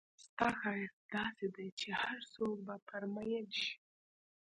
ستا ښایست داسې دی چې هرڅوک به پر مئین شي.